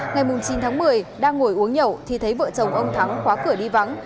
ngày chín tháng một mươi đang ngồi uống nhậu thì thấy vợ chồng ông thắng khóa cửa đi vắng